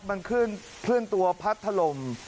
มันเคลื่อนตัวพัดถล่ม